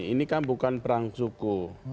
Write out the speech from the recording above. ini kan bukan perang suku